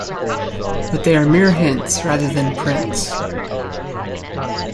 But they are mere hints rather than prints.